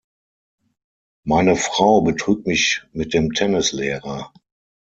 Mein Frau betrügt mich mit dem Tennislehrer.